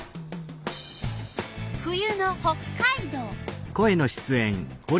冬の北海道。